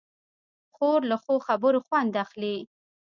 خور له ښو خبرو خوند اخلي.